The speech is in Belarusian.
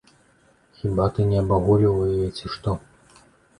Хіба ты не абагульваў яе, ці што?